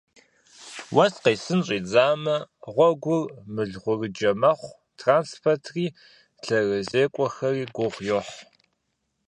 Уэс къесын щӀидзамэ, гъуэгур мылгъурыджэ мэхъу, транспортри лъэсырызекӀуэхэри гугъу йохь.